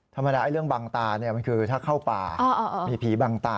ธรรมดาเรื่องบังตามันคือถ้าเข้าป่ามีผีบังตา